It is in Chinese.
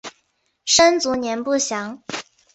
生卒年不详。